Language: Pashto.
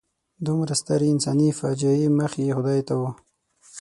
دومره سترې انساني فاجعې مخ یې خدای ته و.